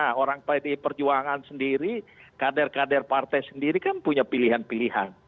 karena orang pd perjuangan sendiri kader kader partai sendiri kan punya pilihan pilihan